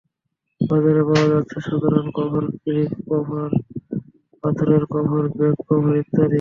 বাজারে পাওয়া যাচ্ছে সাধারণ কভার, ফ্লিপ কভার, পাথরের কভার, ব্যাক কভার ইত্যাদি।